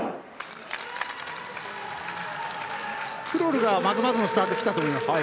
クロルがまずまずのスタート切ったと思います。